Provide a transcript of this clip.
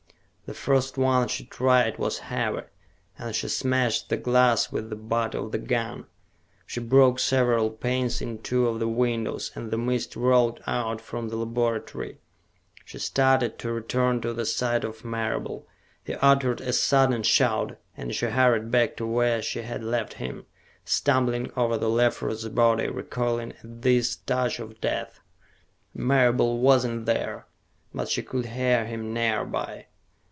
The first one she tried was heavy, and she smashed the glass with the butt of the gun. She broke several panes in two of the windows, and the mist rolled out from the laboratory. She started to return to the side of Marable. He uttered a sudden shout, and she hurried back to where she had left him, stumbling over Leffler's body, recoiling at this touch of death. Marable was not there, but she could hear him nearby.